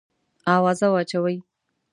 آوازه واچوې.